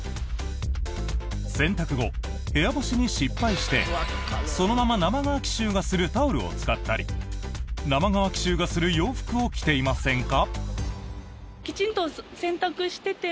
洗濯後、部屋干しに失敗してそのまま生乾き臭がするタオルを使ったり生乾き臭がする洋服を着ていませんか？